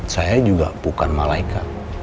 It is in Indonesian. saya juga bukan malaikat